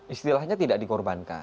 istilahnya tidak dikorbankan